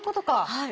はい。